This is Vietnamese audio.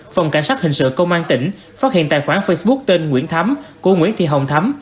phòng cảnh sát hình sự công an tỉnh phát hiện tài khoản facebook tên nguyễn thấm của nguyễn thị hồng thấm